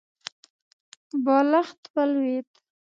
بالښت ولوېد.